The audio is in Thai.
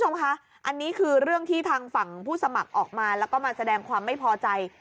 คุณผู้ชมคะอันนี้คือเรื่องที่ทางฝั่งผู้สมัครออกมาแล้วก็มาแสดงความไม่พอใจ